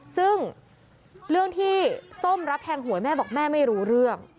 ซึ่งเรื่องที่ส้มรับแทงหวยแม่บอกแม่ไม่รู้เรื่อง